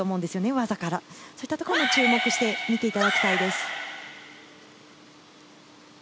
技からそういったところも見ていただきたいです。